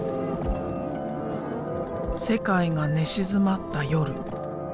世界が寝静まった夜。